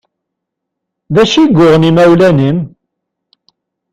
D acu i yuɣen imawlan-im?